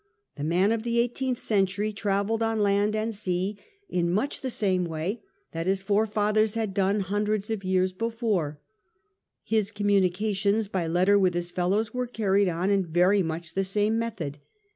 The man of the eighteenth century travelled on land and sea in 84 A HISTORY OF OUR OWN TIMES. cit.iv. much the same way that his forefathers had done hundreds of years before. His communications by letter with his fellows were carried on in very much the same method.